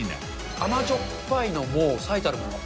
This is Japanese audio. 甘じょっぱいのも最たるもの。